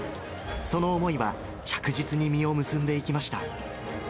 その思いは着実に実を結んでいきました。